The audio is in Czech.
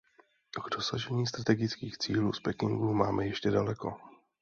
K dosažení strategických cílů z Pekingu máme ještě daleko.